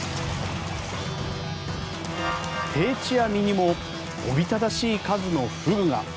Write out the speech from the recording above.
定置網にもおびただしい数のフグが。